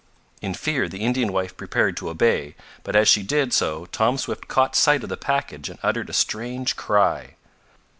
In fear the Indian wife prepared to obey, but as she did so Tom Swift caught sight of the package and uttered a strange cry.